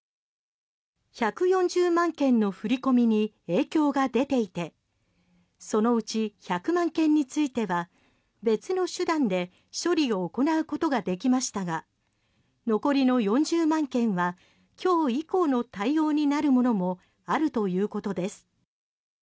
１４０万件の振り込みに影響が出ていてそのうち１００万件については別の手段で処理を行うことができましたが残りの４０万件は今日以降の対応になるものもあるということです。